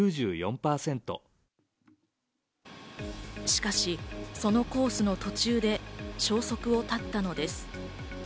しかし、そのコースの途中で消息を絶ったのです。